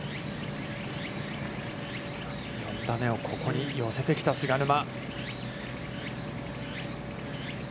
４打目をここに寄せてきた菅沼。